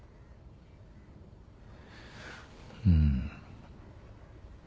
うん。